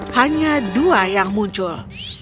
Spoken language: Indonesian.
hanya dua yang muncul